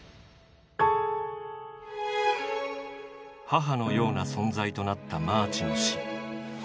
母のような存在となったマーチの死。